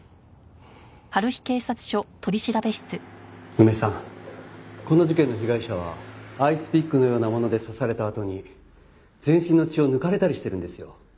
梅さんこの事件の被害者はアイスピックのようなもので刺されたあとに全身の血を抜かれたりしてるんですよ。